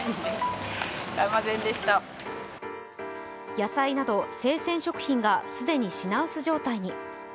野菜など生鮮食品が既に品薄状態に。